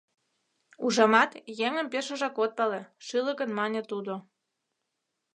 Ужамат, еҥым пешыжак от пале, — шӱлыкын мане тудо.